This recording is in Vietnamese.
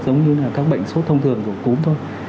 giống như là các bệnh sốt thông thường rồi cúm thôi